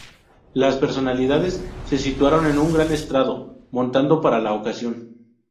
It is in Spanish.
Las personalidades se situaron en un gran estrado montado para la ocasión.